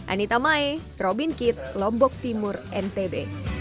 anita mae robin kit lombok timur ntb